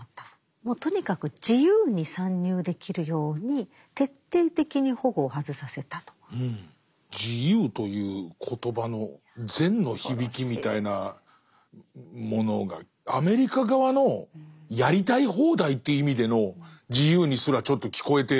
もうとにかく「自由」という言葉の善の響きみたいなものがアメリカ側のやりたい放題という意味での自由にすらちょっと聞こえてきますね。